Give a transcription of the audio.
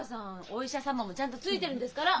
お医者様もちゃんとついてるんですから。